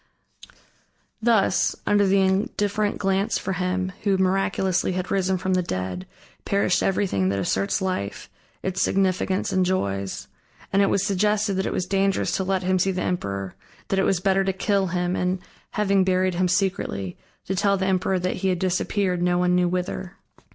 Thus under the indifferent glance for him, who miraculously had risen from the dead, perished everything that asserts life, its significance and joys. And it was suggested that it was dangerous to let him see the emperor, that it was better to kill him and, having buried him secretly, to tell the emperor that he had disappeared no one knew whither.